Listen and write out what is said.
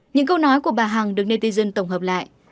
những câu nói của bà hằng được netison tổng hợp lại